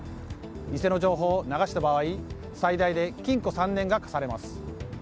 偽の情報を流した場合最大で禁錮３年が科されます。